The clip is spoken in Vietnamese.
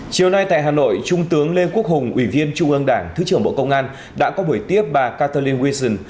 chiều nay tại hà nội trung tướng lê quốc hùng ủy viên trung ương đảng thứ trưởng bộ công an đã có buổi tiếp bà katalymwison